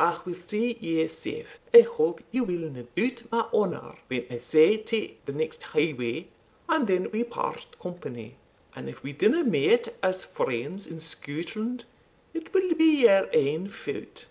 I will see you safe I hope you will not doubt my honour, when I say sae to the next highway, and then we part company; and if we do not meet as friends in Scotland, it will be your ain fault."